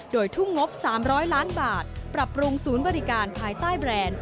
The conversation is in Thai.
โดยทุ่มงบ๓๐๐ล้านบาทปรับปรุงศูนย์บริการภายใต้แบรนด์